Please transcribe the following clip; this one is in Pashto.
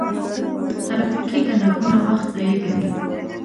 ترافیکي ګڼه ګوڼه وخت ضایع کوي.